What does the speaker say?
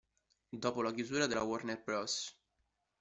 Dopo la chiusura della Warner Bros.